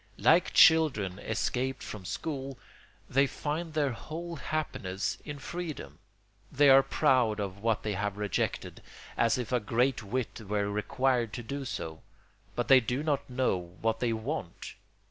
Like children escaped from school, they find their whole happiness in freedom. They are proud of what they have rejected, as if a great wit were required to do so; but they do not know what they want.